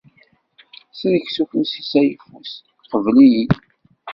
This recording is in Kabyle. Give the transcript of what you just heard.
Sellek s ufus-is ayeffus, qbel-iyi-d!